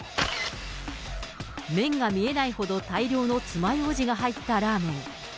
麺が見えないほど大量のつまようじが入ったラーメン。